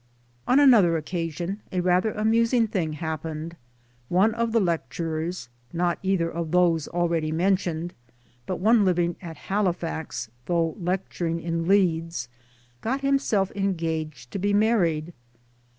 On another occasion a rather amusing thing hap pened. One of the lecturers not either of those already mentioned, but one living at Halifax though also lecturing in Leeds got himself engaged to be married.